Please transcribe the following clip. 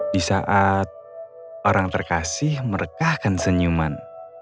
di saat orang terkasih merekahkan senyuman